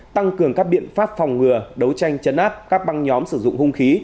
tăng cường các biện pháp phòng ngừa đấu tranh chấn áp các băng nhóm sử dụng hung khí